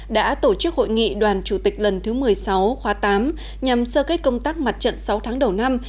đã tổ chức hội nghị đoàn chủ tịch lần thứ một mươi sáu khóa tám nhằm sơ kết công tác mặt trận sáu tháng đầu năm